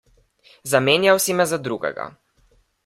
Zamenjal si me za drugega.